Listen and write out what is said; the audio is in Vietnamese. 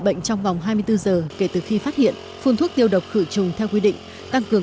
bệnh trong vòng hai mươi bốn giờ kể từ khi phát hiện phun thuốc tiêu độc khử trùng theo quy định tăng cường